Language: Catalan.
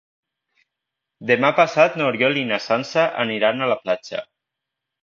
Demà passat n'Oriol i na Sança aniran a la platja.